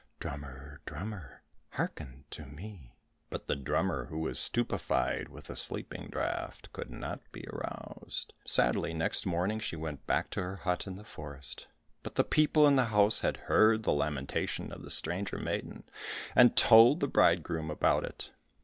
Drummer, drummer, hearken to me!" But the drummer, who was stupefied with the sleeping draught, could not be aroused. Sadly next morning she went back to her hut in the forest. But the people in the house had heard the lamentation of the stranger maiden, and told the bridegroom about it.